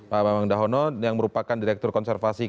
pak bambang dahono yang merupakan direktur konservasi